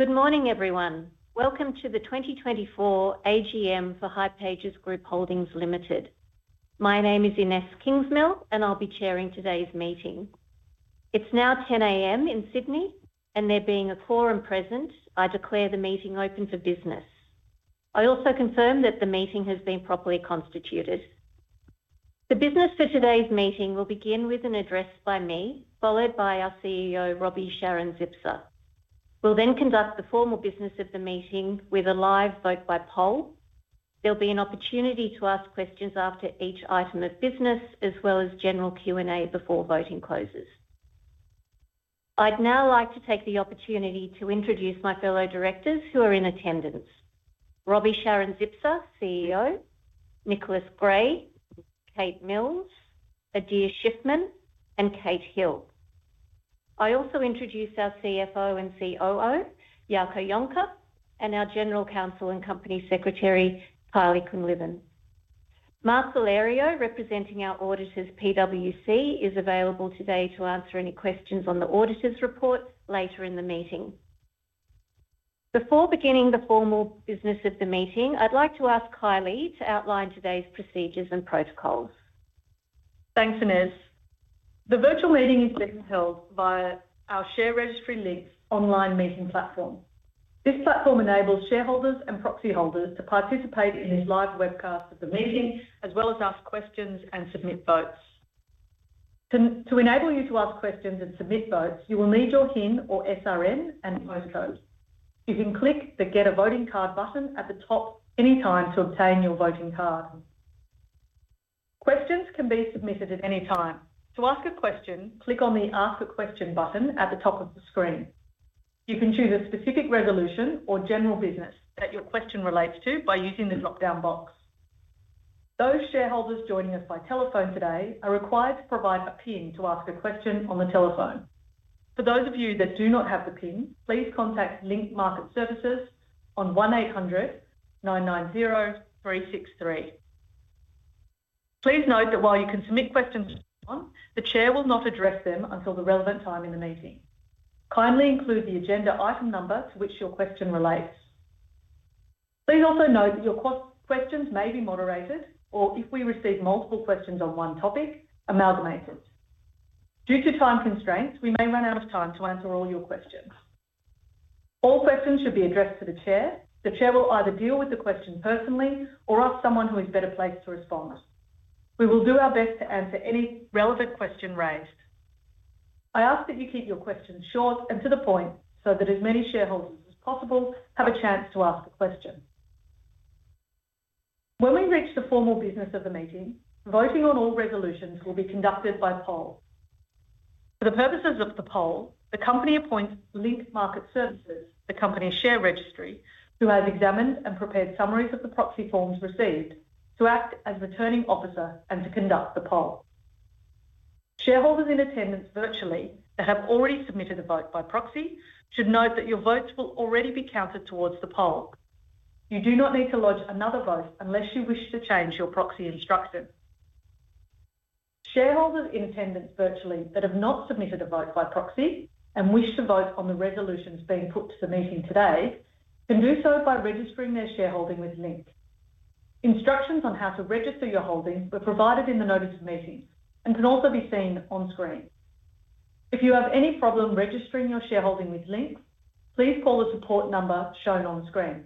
Good morning, everyone. Welcome to the 2024 AGM for Hipages Group Holdings Limited. My name is Inese Kingsmill, and I'll be chairing today's meeting. It's now 10:00 A.M. in Sydney, and there being a quorum present, I declare the meeting open for business. I also confirm that the meeting has been properly constituted. The business for today's meeting will begin with an address by me, followed by our CEO, Roby Sharon-Zipser. We'll then conduct the formal business of the meeting with a live vote by poll. There'll be an opportunity to ask questions after each item of business, as well as general Q&A before voting closes. I'd now like to take the opportunity to introduce my fellow directors who are in attendance: Roby Sharon-Zipser, CEO, Nicholas Gray, Kate Mills, Adir Shiffman, and Kate Hill. I also introduce our CFO and COO, Jaco Jonker, and our General Counsel and Company Secretary, Kylie Quinlivan. Mark Valerio, representing our auditors, PwC, is available today to answer any questions on the auditor's report later in the meeting. Before beginning the formal business of the meeting, I'd like to ask Kylie to outline today's procedures and protocols. Thanks, Inese. The virtual meeting is being held via our share registry link online meeting platform. This platform enables shareholders and proxy holders to participate in this live webcast of the meeting, as well as ask questions and submit votes. To enable you to ask questions and submit votes, you will need your HIN or SRN and postcode. You can click the Get a Voting Card button at the top anytime to obtain your voting card. Questions can be submitted at any time. To ask a question, click on the Ask a Question button at the top of the screen. You can choose a specific resolution or general business that your question relates to by using the drop-down box. Those shareholders joining us by telephone today are required to provide a PIN to ask a question on the telephone. For those of you that do not have the PIN, please contact Link Market Services on 1800 990 363. Please note that while you can submit questions to the chair, the chair will not address them until the relevant time in the meeting. Kindly include the agenda item number to which your question relates. Please also note that your questions may be moderated or, if we receive multiple questions on one topic, amalgamated. Due to time constraints, we may run out of time to answer all your questions. All questions should be addressed to the chair. The chair will either deal with the question personally or ask someone who is better placed to respond. We will do our best to answer any relevant question raised. I ask that you keep your questions short and to the point so that as many shareholders as possible have a chance to ask a question. When we reach the formal business of the meeting, voting on all resolutions will be conducted by poll. For the purposes of the poll, the company appoints Link Market Services, the company's share registry, who has examined and prepared summaries of the proxy forms received to act as returning officer and to conduct the poll. Shareholders in attendance virtually that have already submitted a vote by proxy should note that your votes will already be counted towards the poll. You do not need to lodge another vote unless you wish to change your proxy instruction. Shareholders in attendance virtually that have not submitted a vote by proxy and wish to vote on the resolutions being put to the meeting today can do so by registering their shareholding with link. Instructions on how to register your holdings were provided in the notice of meetings and can also be seen on screen. If you have any problem registering your shareholding with link, please call the support number shown on screen.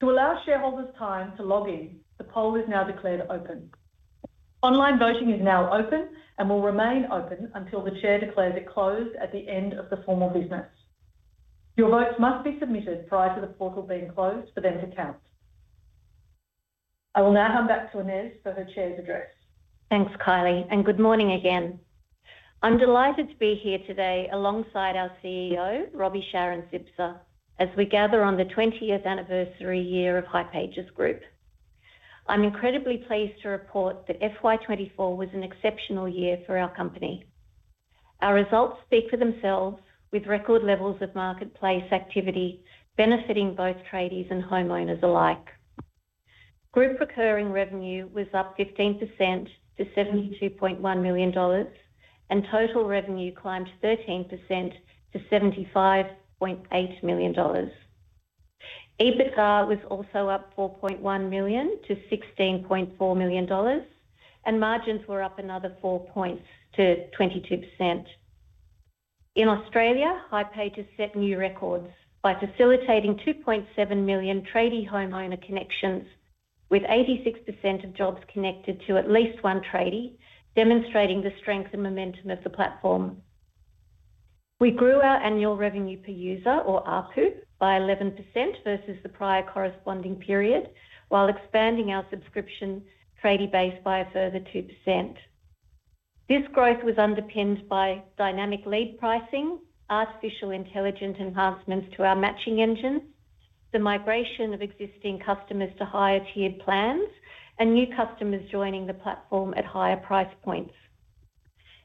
To allow shareholders time to log in, the poll is now declared open. Online voting is now open and will remain open until the Chair declares it closed at the end of the formal business. Your votes must be submitted prior to the portal being closed for them to count. I will now hand back to Inese for her Chair's address. Thanks, Kylie, and good morning again. I'm delighted to be here today alongside our CEO, Roby Sharon-Zipser, as we gather on the 20th anniversary year of Hipages Group. I'm incredibly pleased to report that FY 2024 was an exceptional year for our company. Our results speak for themselves, with record levels of marketplace activity benefiting both tradies and homeowners alike. Group recurring revenue was up 15% to 72.1 million dollars, and total revenue climbed 13% to 75.8 million dollars. EBITDA was also up 4.1 million to 16.4 million dollars, and margins were up another 4 basis points to 22%. In Australia, Hipages set new records by facilitating 2.7 million tradie-homeowner connections, with 86% of jobs connected to at least one tradie, demonstrating the strength and momentum of the platform. We grew our annual revenue per user, or ARPU, by 11% versus the prior corresponding period, while expanding our subscription tradie base by a further 2%. This growth was underpinned by dynamic lead pricing, artificial intelligence enhancements to our matching engines, the migration of existing customers to higher tiered plans, and new customers joining the platform at higher price points.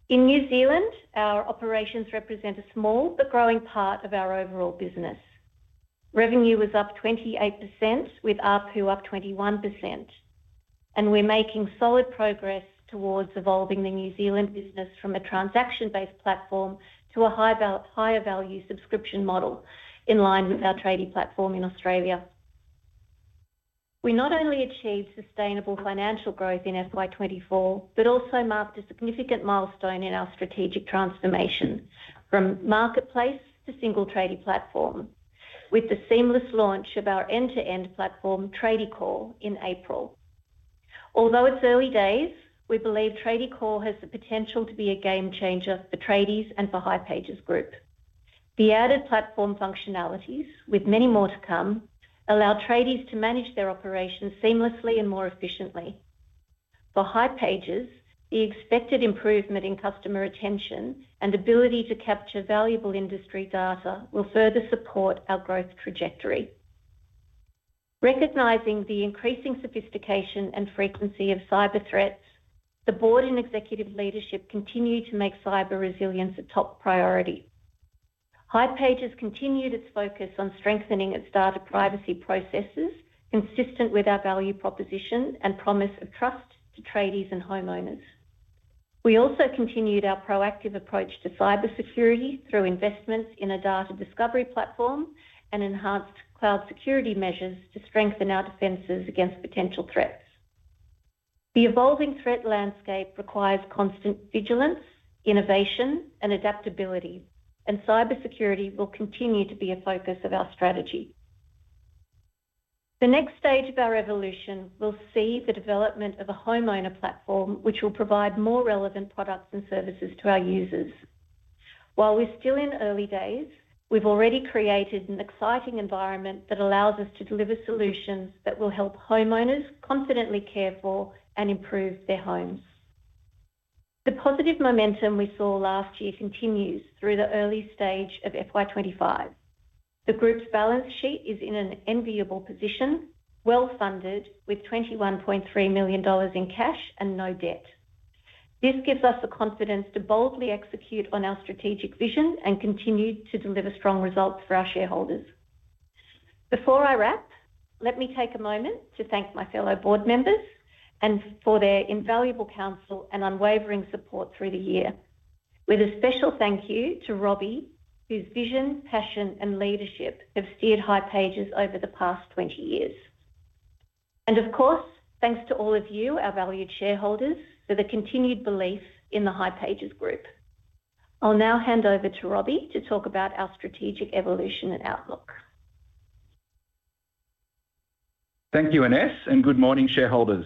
In New Zealand, our operations represent a small but growing part of our overall business. Revenue was up 28%, with ARPU up 21%, and we're making solid progress towards evolving the New Zealand business from a transaction-based platform to a higher value subscription model in line with our tradie platform in Australia. We not only achieved sustainable financial growth in FY 2024, but also marked a significant milestone in our strategic transformation from marketplace to single tradie platform with the seamless launch of our end-to-end platform, Tradiecore, in April. Although it's early days, we believe Tradiecore has the potential to be a game changer for tradies and for Hipages Group. The added platform functionalities, with many more to come, allow tradies to manage their operations seamlessly and more efficiently. For Hipages, the expected improvement in customer retention and ability to capture valuable industry data will further support our growth trajectory. Recognizing the increasing sophistication and frequency of cyber threats, the board and executive leadership continue to make cyber resilience a top priority. Hipages continued its focus on strengthening its data privacy processes, consistent with our value proposition and promise of trust to tradies and homeowners. We also continued our proactive approach to cybersecurity through investments in a data discovery platform and enhanced cloud security measures to strengthen our defenses against potential threats. The evolving threat landscape requires constant vigilance, innovation, and adaptability, and cybersecurity will continue to be a focus of our strategy. The next stage of our evolution will see the development of a homeowner platform, which will provide more relevant products and services to our users. While we're still in early days, we've already created an exciting environment that allows us to deliver solutions that will help homeowners confidently care for and improve their homes. The positive momentum we saw last year continues through the early stage of FY 2025. The group's balance sheet is in an enviable position, well funded with 21.3 million dollars in cash and no debt. This gives us the confidence to boldly execute on our strategic vision and continue to deliver strong results for our shareholders. Before I wrap, let me take a moment to thank my fellow board members for their invaluable counsel and unwavering support through the year, with a special thank you to Roby, whose vision, passion, and leadership have steered Hipages over the past 20 years. And of course, thanks to all of you, our valued shareholders, for the continued belief in the Hipages Group. I'll now hand over to Roby to talk about our strategic evolution and outlook. Thank you, Inese, and good morning, shareholders.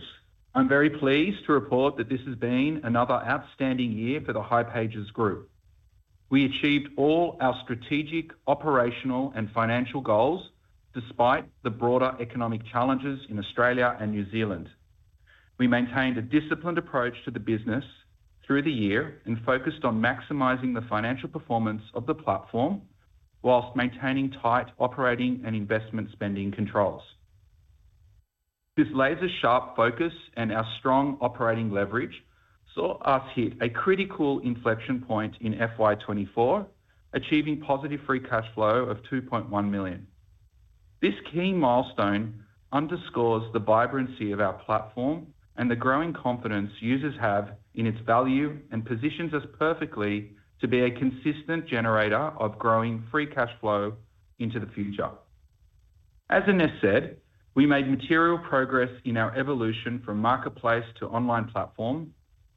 I'm very pleased to report that this has been another outstanding year for the Hipages Group. We achieved all our strategic, operational, and financial goals despite the broader economic challenges in Australia and New Zealand. We maintained a disciplined approach to the business through the year and focused on maximizing the financial performance of the platform while maintaining tight operating and investment spending controls. This laser-sharp focus and our strong operating leverage saw us hit a critical inflection point in FY 2024, achieving positive free cash flow of 2.1 million. This key milestone underscores the vibrancy of our platform and the growing confidence users have in its value and positions us perfectly to be a consistent generator of growing free cash flow into the future. As Inese said, we made material progress in our evolution from marketplace to online platform,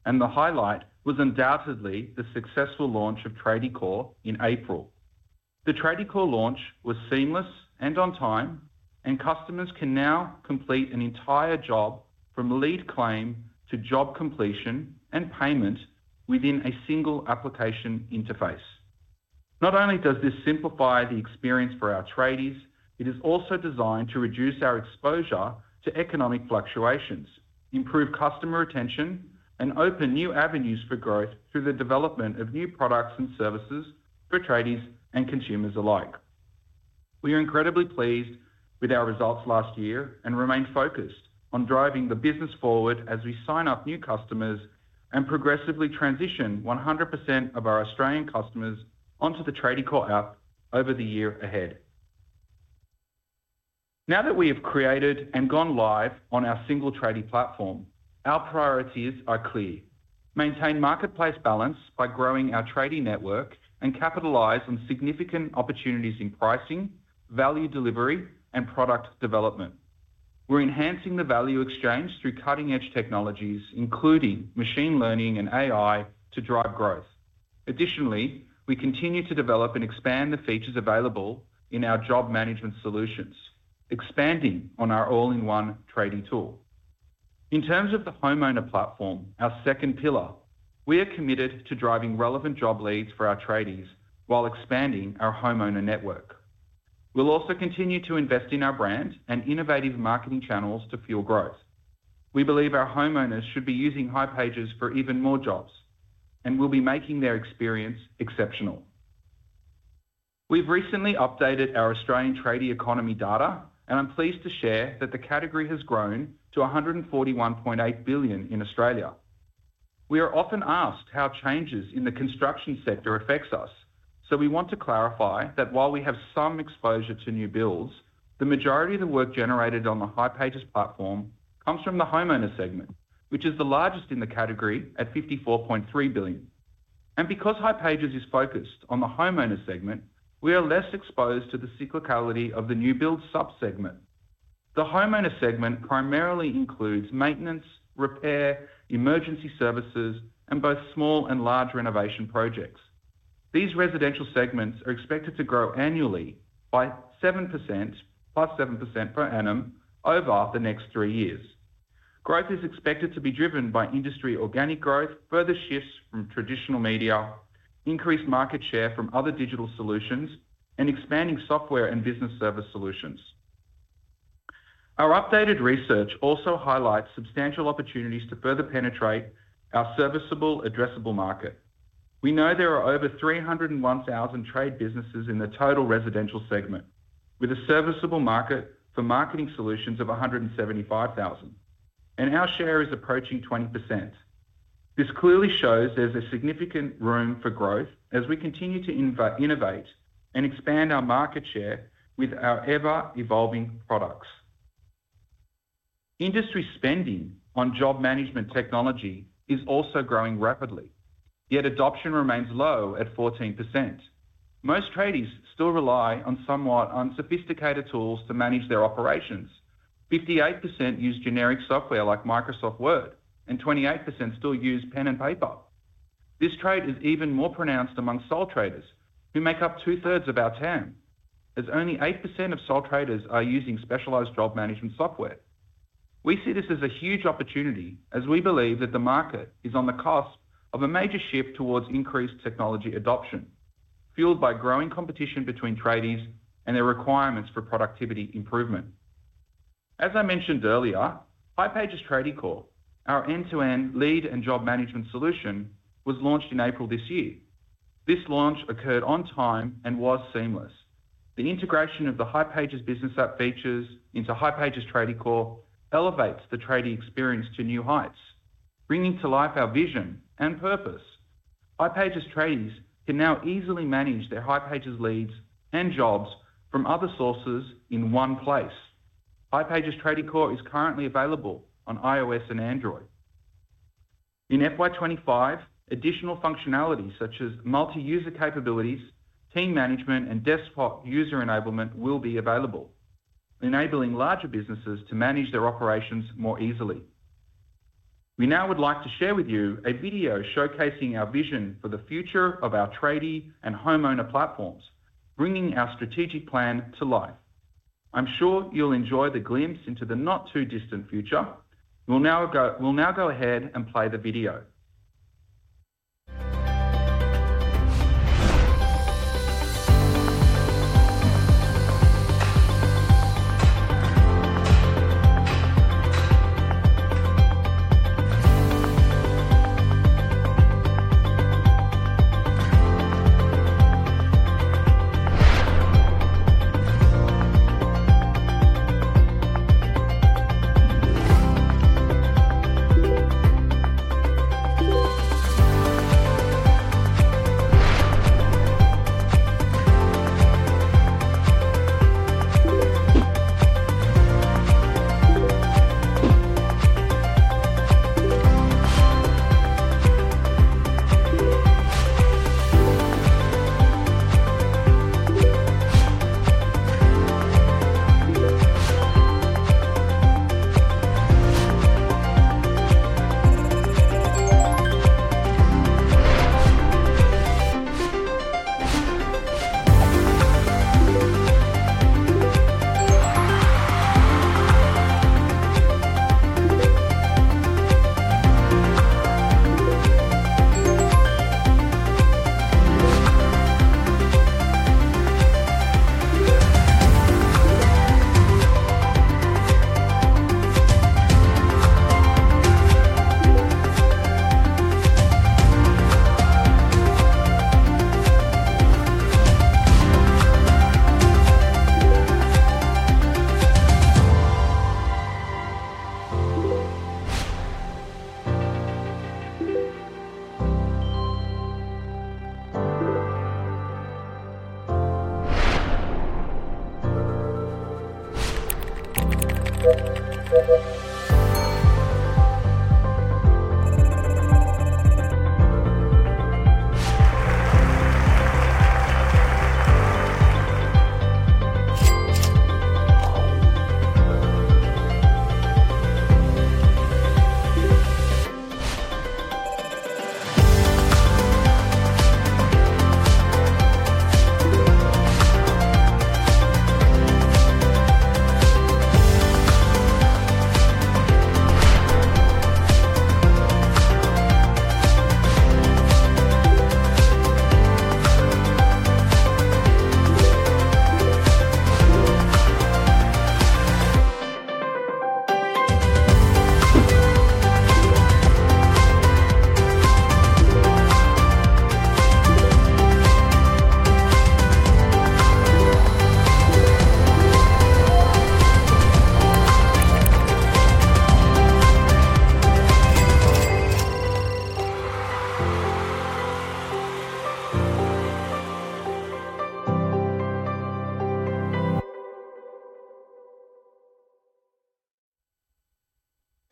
and the highlight was undoubtedly the successful launch of Tradiecore in April. The Tradiecore launch was seamless and on time, and customers can now complete an entire job from lead claim to job completion and payment within a single application interface. Not only does this simplify the experience for our traders, it is also designed to reduce our exposure to economic fluctuations, improve customer retention, and open new avenues for growth through the development of new products and services for traders and consumers alike. We are incredibly pleased with our results last year and remain focused on driving the business forward as we sign up new customers and progressively transition 100% of our Australian customers onto the Tradiecore app over the year ahead. Now that we have created and gone live on our single tradie platform, our priorities are clear: maintain marketplace balance by growing our tradie network and capitalize on significant opportunities in pricing, value delivery, and product development. We're enhancing the value exchange through cutting-edge technologies, including machine learning and AI, to drive growth. Additionally, we continue to develop and expand the features available in our job management solutions, expanding on our all-in-one tradie tool. In terms of the homeowner platform, our second pillar, we are committed to driving relevant job leads for our tradies while expanding our homeowner network. We'll also continue to invest in our brand and innovative marketing channels to fuel growth. We believe our homeowners should be using Hipages for even more jobs, and we'll be making their experience exceptional. We've recently updated our Australian tradie economy data, and I'm pleased to share that the category has grown to 141.8 billion in Australia. We are often asked how changes in the construction sector affect us, so we want to clarify that while we have some exposure to new builds, the majority of the work generated on the Hipages platform comes from the homeowner segment, which is the largest in the category at 54.3 billion. And because Hipages is focused on the homeowner segment, we are less exposed to the cyclicality of the new build subsegment. The homeowner segment primarily includes maintenance, repair, emergency services, and both small and large renovation projects. These residential segments are expected to grow annually by 7%, +7% per annum over the next three years. Growth is expected to be driven by industry organic growth, further shifts from traditional media, increased market share from other digital solutions, and expanding software and business service solutions. Our updated research also highlights substantial opportunities to further penetrate our serviceable addressable market. We know there are over 301,000 trade businesses in the total residential segment, with a serviceable market for marketing solutions of 175,000, and our share is approaching 20%. This clearly shows there's a significant room for growth as we continue to innovate and expand our market share with our ever-evolving products. Industry spending on job management technology is also growing rapidly, yet adoption remains low at 14%. Most traders still rely on somewhat unsophisticated tools to manage their operations. 58% use generic software like Microsoft Word, and 28% still use pen and paper. This trend is even more pronounced among sole traders, who make up two-thirds of our TAM, as only 8% of sole traders are using specialized job management software. We see this as a huge opportunity as we believe that the market is on the cusp of a major shift towards increased technology adoption, fueled by growing competition between tradies and their requirements for productivity improvement. As I mentioned earlier, Hipages Tradiecore, our end-to-end lead and job management solution, was launched in April this year. This launch occurred on time and was seamless. The integration of the Hipages Business App features into Hipages Tradiecore elevates the tradie experience to new heights, bringing to life our vision and purpose. Hipages tradies can now easily manage their Hipages leads and jobs from other sources in one place. Hipages Tradiecore is currently available on iOS and Android. In FY25, additional functionality such as multi-user capabilities, team management, and desktop user enablement will be available, enabling larger businesses to manage their operations more easily. We now would like to share with you a video showcasing our vision for the future of our tradie and homeowner platforms, bringing our strategic plan to life. I'm sure you'll enjoy the glimpse into the not-too-distant future. We'll now go ahead and play the video.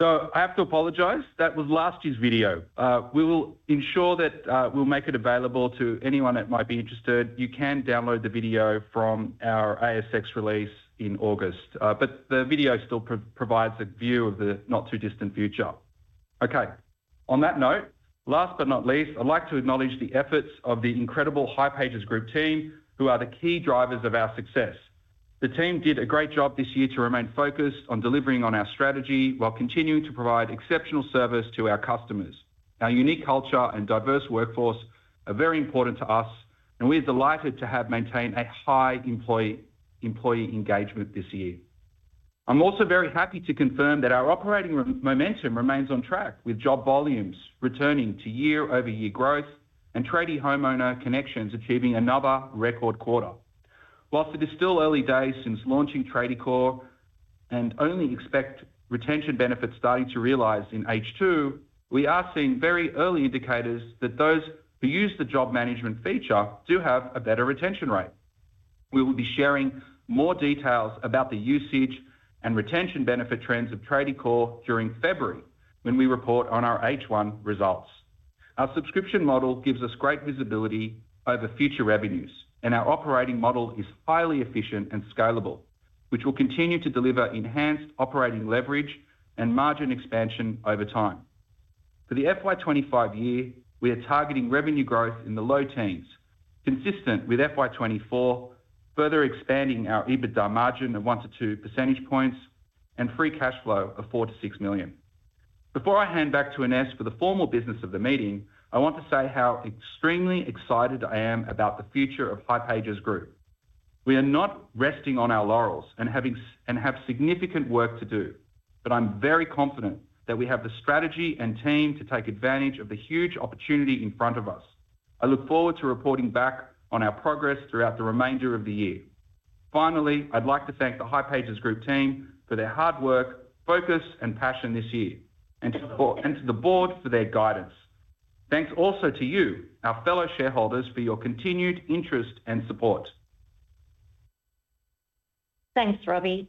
So I have to apologize. That was last year's video. We will ensure that we'll make it available to anyone that might be interested. You can download the video from our ASX release in August, but the video still provides a view of the not-too-distant future. Okay, on that note, last but not least, I'd like to acknowledge the efforts of the incredible Hipages Group team, who are the key drivers of our success. The team did a great job this year to remain focused on delivering on our strategy while continuing to provide exceptional service to our customers. Our unique culture and diverse workforce are very important to us, and we are delighted to have maintained a high employee engagement this year. I'm also very happy to confirm that our operating momentum remains on track, with job volumes returning to year-over-year growth and tradie homeowner connections achieving another record quarter. While it is still early days since launching Tradiecore and only expect retention benefits starting to realize in H2, we are seeing very early indicators that those who use the job management feature do have a better retention rate. We will be sharing more details about the usage and retention benefit trends of Tradiecore during February when we report on our H1 results. Our subscription model gives us great visibility over future revenues, and our operating model is highly efficient and scalable, which will continue to deliver enhanced operating leverage and margin expansion over time. For the FY25 year, we are targeting revenue growth in the low teens, consistent with FY24, further expanding our EBITDA margin of 1-2 percentage points and free cash flow of 4-6 million. Before I hand back to Inese for the formal business of the meeting, I want to say how extremely excited I am about the future of Hipages Group. We are not resting on our laurels and have significant work to do, but I'm very confident that we have the strategy and team to take advantage of the huge opportunity in front of us. I look forward to reporting back on our progress throughout the remainder of the year. Finally, I'd like to thank the Hipages Group team for their hard work, focus, and passion this year, and to the board for their guidance. Thanks also to you, our fellow shareholders, for your continued interest and support. Thanks, Roby.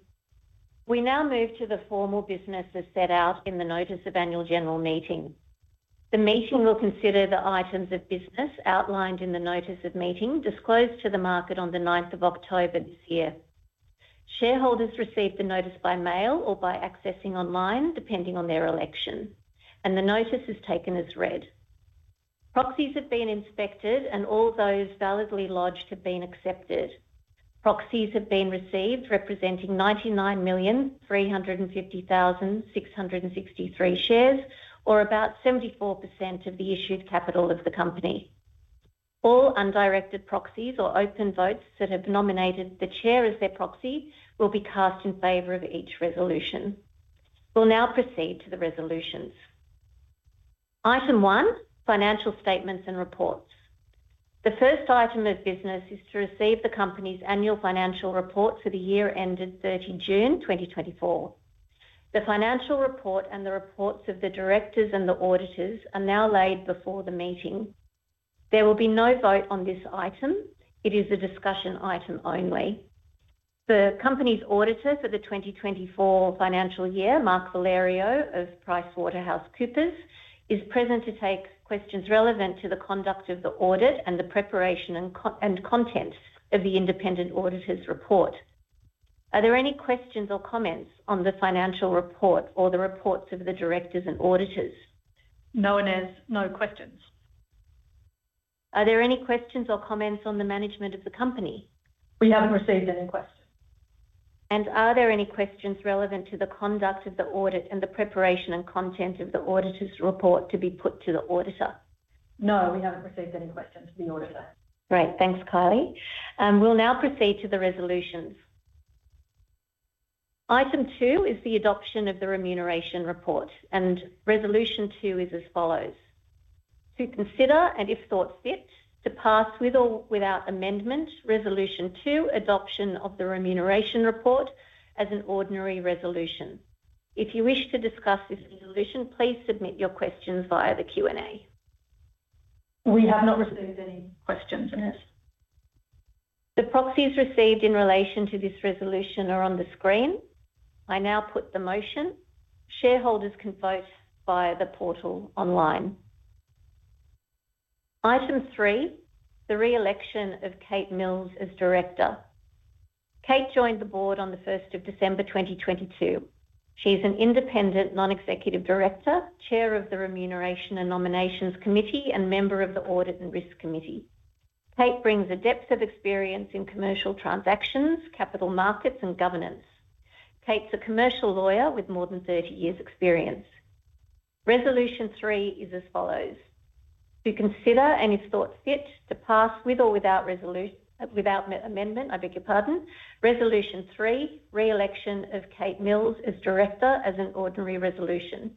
We now move to the formal business as set out in the Notice of Annual General Meeting. The meeting will consider the items of business outlined in the Notice of Meeting disclosed to the market on the 9th of October this year. Shareholders received the notice by mail or by accessing online, depending on their election, and the notice is taken as read. Proxies have been inspected, and all those validly lodged have been accepted. Proxies have been received representing 99,350,663 shares, or about 74% of the issued capital of the company. All undirected proxies or open votes that have nominated the chair as their proxy will be cast in favor of each resolution. We'll now proceed to the resolutions. Item 1, financial statements and reports. The first item of business is to receive the company's annual financial report for the year ended 30 June 2024. The financial report and the reports of the directors and the auditors are now laid before the meeting. There will be no vote on this item. It is a discussion item only. The company's auditor for the 2024 financial year, Mark Valerio of PricewaterhouseCoopers, is present to take questions relevant to the conduct of the audit and the preparation and content of the independent auditor's report. Are there any questions or comments on the financial report or the reports of the directors and auditors? No, Inese. No questions. Are there any questions or comments on the management of the company? We haven't received any questions. And are there any questions relevant to the conduct of the audit and the preparation and content of the auditor's report to be put to the auditor? No, we haven't received any questions from the auditor. Great. Thanks, Kylie. We'll now proceed to the resolutions. Item 2 is the adoption of the remuneration report, and resolution 2 is as follows. To consider and, if thought fit, to pass with or without amendment, resolution 2, adoption of the remuneration report as an ordinary resolution. If you wish to discuss this resolution, please submit your questions via the Q&A. We have not received any questions, Inese. The proxies received in relation to this resolution are on the screen. I now put the motion. Shareholders can vote via the portal online. Item 3, the re-election of Kate Mills as Director. Kate joined the board on the 1st of December 2022. She is an independent Non-Executive Director, Chair of the Remuneration and Nominations Committee, and member of the Audit and Risk Committee. Kate brings a depth of experience in commercial transactions, capital markets, and governance. Kate's a commercial lawyer with more than 30 years' experience. Resolution 3 is as follows. To consider and, if thought fit, to pass with or without amendment, I beg your pardon, resolution 3, re-election of Kate Mills as Director as an ordinary resolution.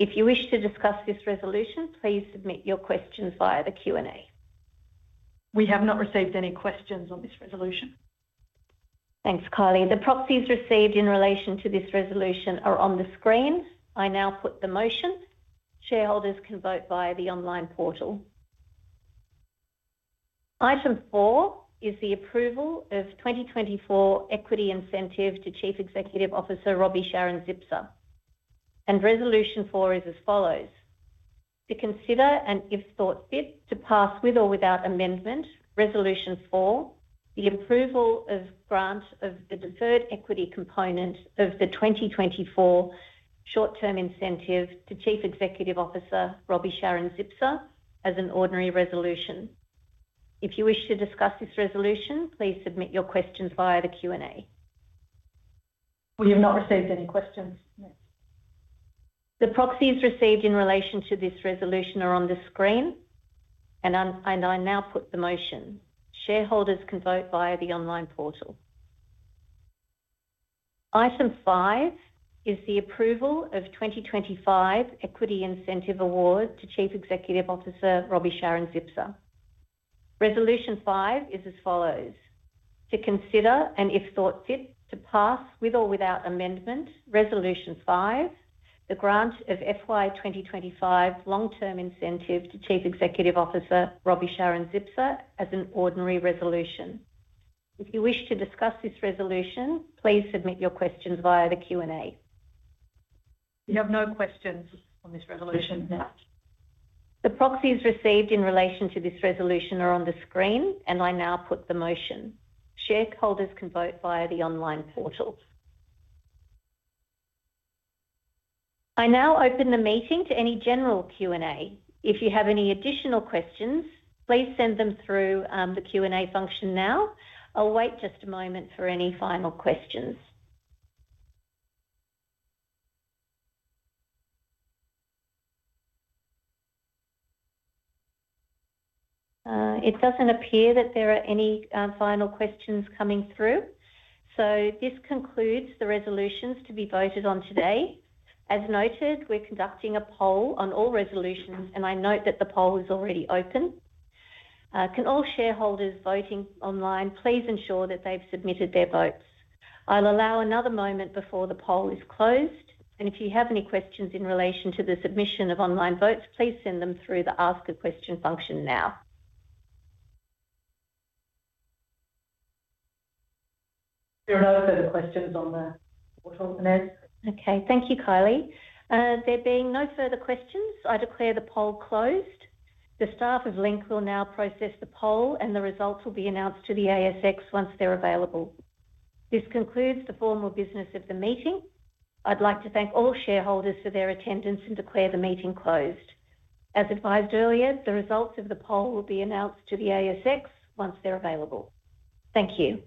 If you wish to discuss this resolution, please submit your questions via the Q&A. We have not received any questions on this resolution. Thanks, Kylie. The proxies received in relation to this resolution are on the screen. I now put the motion. Shareholders can vote via the online portal. Item 4 is the approval of 2024 equity incentive to Chief Executive Officer Roby Sharon-Zipser, and resolution 4 is as follows. To consider and, if thought fit, to pass with or without amendment, resolution 4, the approval of grant of the deferred equity component of the 2024 short-term incentive to Chief Executive Officer Roby Sharon-Zipser as an ordinary resolution. If you wish to discuss this resolution, please submit your questions via the Q&A. We have not received any questions, Inese. The proxies received in relation to this resolution are on the screen, and I now put the motion. Shareholders can vote via the online portal. Item 5 is the approval of 2025 equity incentive award to Chief Executive Officer Roby Sharon-Zipser. Resolution 5 is as follows. To consider and, if thought fit, to pass with or without amendment, resolution 5, the grant of FY2025 long-term incentive to Chief Executive Officer Roby Sharon-Zipser as an ordinary resolution. If you wish to discuss this resolution, please submit your questions via the Q&A. We have no questions on this resolution now. The proxies received in relation to this resolution are on the screen, and I now put the motion. Shareholders can vote via the online portal. I now open the meeting to any general Q&A. If you have any additional questions, please send them through the Q&A function now. I'll wait just a moment for any final questions. It doesn't appear that there are any final questions coming through. So this concludes the resolutions to be voted on today. As noted, we're conducting a poll on all resolutions, and I note that the poll is already open. Can all shareholders voting online, please ensure that they've submitted their votes. I'll allow another moment before the poll is closed, and if you have any questions in relation to the submission of online votes, please send them through the ask a question function now. There are no further questions on the portal, Inese. Okay, thank you, Kylie. There being no further questions, I declare the poll closed. The staff of link will now process the poll, and the results will be announced to the ASX once they're available. This concludes the formal business of the meeting. I'd like to thank all shareholders for their attendance and declare the meeting closed. As advised earlier, the results of the poll will be announced to the ASX once they're available. Thank you.